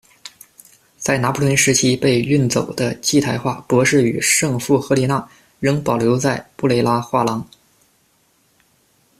在拿破仑时期被运走的祭台画“博士与圣妇赫利纳”仍保留在布雷拉画廊。